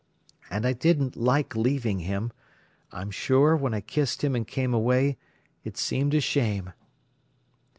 And I didn't like leaving him. I'm sure, when I kissed him an' came away, it seemed a shame."